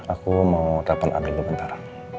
aku mau telfon anel dulu bentar